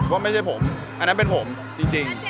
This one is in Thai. ว่าไม่ใช่ผมอันนั้นเป็นผมจริง